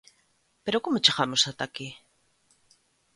Pero, como chegamos ata aquí?